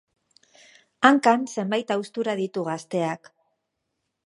Hankan zenbait haustura ditu gazteak.